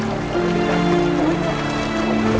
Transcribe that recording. aku gak punya siapa siapa